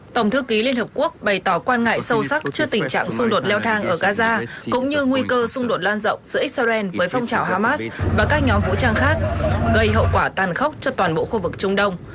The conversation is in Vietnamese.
tổng thư ký liên hợp quốc bày tỏ quan ngại sâu sắc trước tình trạng xung đột leo thang ở gaza cũng như nguy cơ xung đột lan rộng giữa israel với phong trào hamas và các nhóm vũ trang khác gây hậu quả tàn khốc cho toàn bộ khu vực trung đông